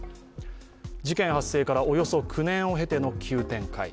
事件発生からおよそ９年を経ての急展開。